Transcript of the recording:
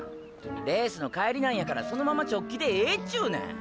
レースの帰りなんやからそのまま直帰でええちゅーねん！！